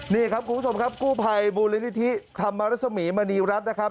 นี่ครับคุณผู้ชมครับกู้ภัยมูลนิธิธรรมรสมีมณีรัฐนะครับ